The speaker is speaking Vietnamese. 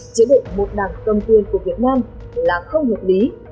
chế độ một đảng cầm quyền của việt nam là không hợp lý